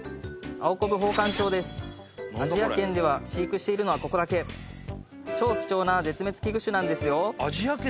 アジア圏では飼育しているのはここだけ超貴重な絶滅危惧種なんですよ